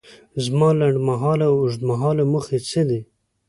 زما لنډ مهاله او اوږد مهاله موخې څه دي؟